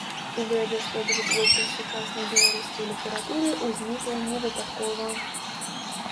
Ідэя даследаваць вобраз сучаснай беларускай літаратуры ўзнікла невыпадкова.